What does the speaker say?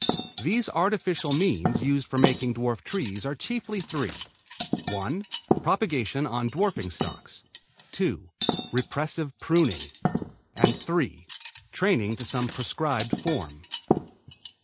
These artificial means used for making dwarf trees are chiefly three: (1) propagation on dwarfing stocks, (2) repressive pruning, and (3) training to some prescribed form.